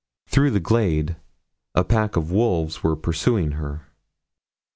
Through the glade a pack of wolves were pursuing her.